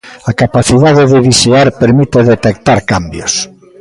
A capacidade de vixiar permite detectar cambios.